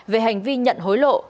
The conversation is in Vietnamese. về hành vi nhận hối lộ